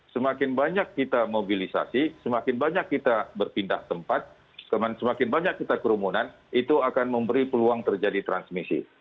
semakin banyak kita mobilisasi semakin banyak kita berpindah tempat semakin banyak kita kerumunan itu akan memberi peluang terjadi transmisi